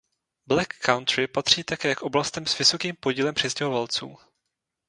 Black Country patří také k oblastem s vysokým podílem přistěhovalců.